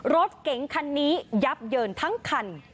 รถเก๋งคันนี้ยับเยินทั้งคัน